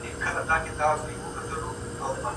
ما د کلي د ژوند په اړه یو نوی یادښت ولیکلو.